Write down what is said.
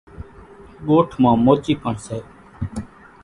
ڳوٺ مان موچِي پڻ سي۔